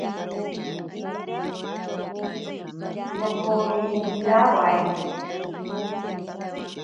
Nokowi nirawaite.